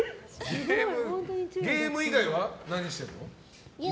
ゲーム以外は何してるの？